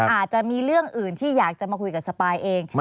อาจจะมีเรื่องอื่นที่อยากจะมาคุยกับสปายเอง